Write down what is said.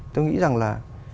tôi nghĩ rằng là